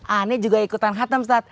aneh juga ikutan hatam ustadz